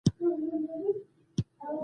د سړک بوی د باران نښه وه.